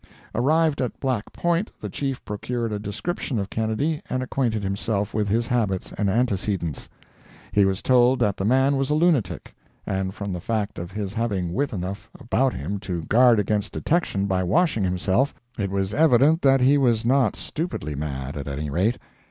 Arrived at Black Point, the Chief procured a description of Kennedy, and acquainted himself with his habits and antecedents. He was told that the man was a lunatic, but from the fact of his having wit enough about him to guard against detection by washing himself, it was evident that he was not stupidly mad, at any rate.